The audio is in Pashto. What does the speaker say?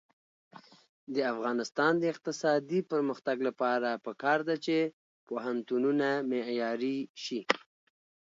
د افغانستان د اقتصادي پرمختګ لپاره پکار ده چې پوهنتونونه معیاري شي.